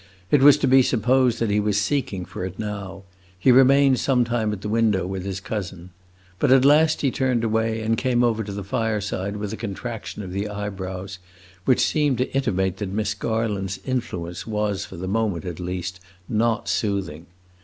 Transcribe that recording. It was to be supposed that he was seeking for it now; he remained sometime at the window with his cousin. But at last he turned away and came over to the fireside with a contraction of the eyebrows which seemed to intimate that Miss Garland's influence was for the moment, at least, not soothing.